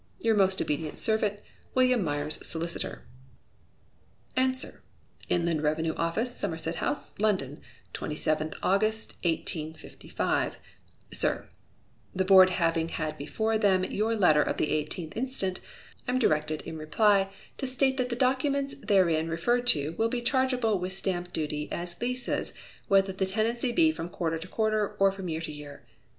Your most obedient servant, WM. MYERS, Solicitor." Answer "Inland Revenue Office, Somerset House, London, 27th August, 1855. Sir, The Board having had before them your letter of the 18th inst., I am directed, in reply, to state that the documents therein referred to will be chargeable with stamp duty as leases whether the tenancy be from quarter to quarter, or from year to year.